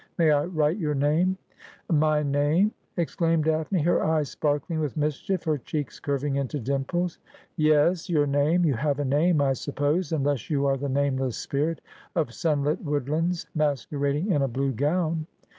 May I write your name ?'' My name !' exclaimed Daphne, her eyes sparkling with mischief, her cheeks curving into dimples. ' Yes ; your name. You have a name, I suppose : unless you are the nameless spirit of sunlit woodlands, masquerading in a blue gown